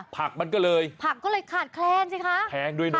ผักมันก็เลยผักก็เลยขาดแคลนสิคะแพงด้วยนะ